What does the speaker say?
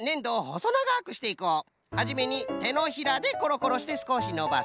はじめにてのひらでコロコロしてすこしのばす。